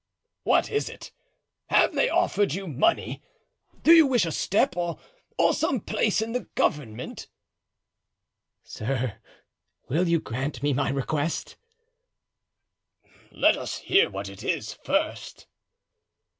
"What is it? Have they offered you money? Do you wish a step, or some place in the government?" "Sir, will you grant me my request?" "Let us hear what it is, first."